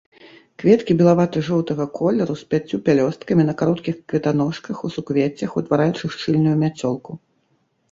Кветкі белавата-жоўтага колеру, з пяццю пялёсткамі, на кароткіх кветаножках, у суквеццях, утвараючых шчыльную мяцёлку.